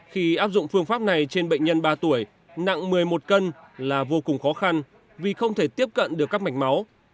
khi áp dụng phương pháp này trên bệnh nhân ba tuổi nặng một mươi một cân là vô cùng khó khăn vì không thể tiếp cận được các mạch máu